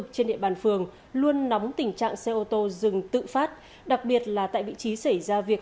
trên địa bàn phường luôn nóng tình trạng xe ô tô dừng tự phát đặc biệt là tại vị trí xảy ra việc